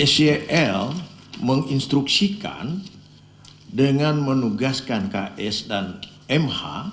sel menginstruksikan dengan menugaskan ks dan mh